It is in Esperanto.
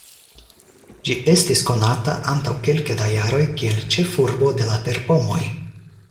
Ĝi estis konata antaŭ kelke da jaroj kiel "ĉefurbo de la terpomoj".